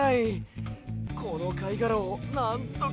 このかいがらをなんとかしないと。